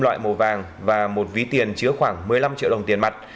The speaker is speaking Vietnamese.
loại màu vàng và một ví tiền chứa khoảng một mươi năm triệu đồng tiền mặt